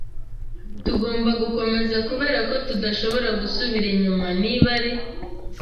“Tugomba gukomeza, kubera ko tudashobora gusubira inyuma. Niba ari